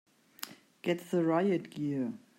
Get the riot gear!